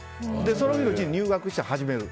その日のうちに入学して始める。